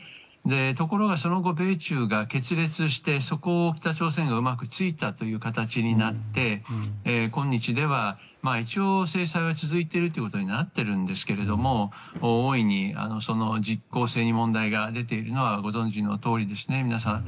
ところが、その後米中が決裂してそこを北朝鮮がうまく突いたという形になって今日では、一応制裁は続いているということになっていますが大いに、その実効性に問題が出ているのはご存じのとおりですね、皆さん。